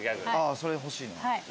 それ欲しいな。